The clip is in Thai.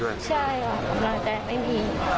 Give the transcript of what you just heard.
ใช่ค่ะกำลังใจไม่มี